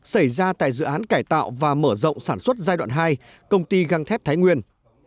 xảy ra tại dự án cải tạo và mở rộng sản xuất giai đoạn hai công ty găng thép thái nguyên